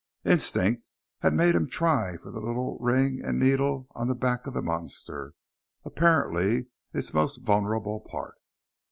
Instinct had made him try for the little ring and needle on the back of the monster, apparently its most vulnerable part.